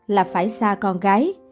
là phải xa con gái